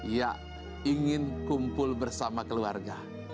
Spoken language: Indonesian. ya ingin kumpul bersama keluarga